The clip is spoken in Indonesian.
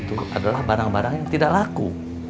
itu adalah barang barang yang tidak laku